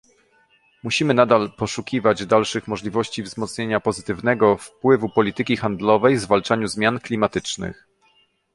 Musimy nadal poszukiwać dalszych możliwości wzmocnienia pozytywnego wpływu polityki handlowej w zwalczaniu zmian klimatycznych